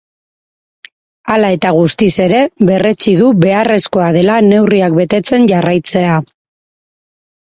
Hala eta guztiz ere, berretsi du beharrezkoa dela neurriak betetzen jarraitzea.